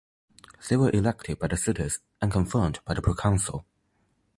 They were elected by the cities and confirmed by the proconsul.